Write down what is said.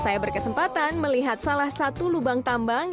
saya berkesempatan melihat salah satu lubang tambang